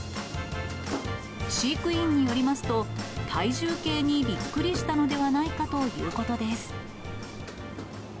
飼育員によりますと、体重計にびっくりしたのではないかということです。